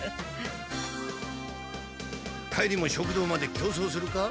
帰りも食堂まで競走するか？